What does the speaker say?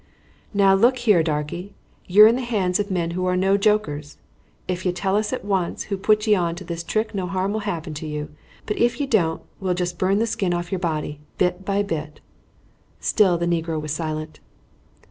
"Now, look ye here, darky, you're in the hands of men who are no jokers. Ef you tell us at once who put ye on to this trick no harm will happen to you; but ef ye don't we'll jest burn the skin off your body, bit by bit." Still the negro was silent.